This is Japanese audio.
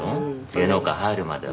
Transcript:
「芸能界入るまでは」